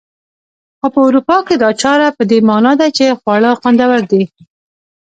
خو په اروپا کې دا چاره په دې مانا ده چې خواړه خوندور دي.